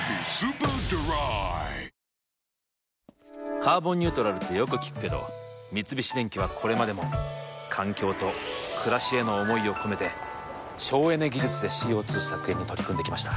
「カーボンニュートラル」ってよく聞くけど三菱電機はこれまでも環境と暮らしへの思いを込めて省エネ技術でＣＯ２削減に取り組んできました。